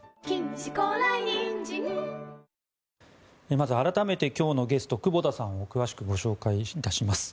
まず改めて今日のゲストの久保田さんを詳しくご紹介いたします。